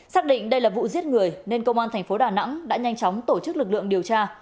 xác định đây là vụ giết người nên công an thành phố đà nẵng đã nhanh chóng tổ chức lực lượng điều tra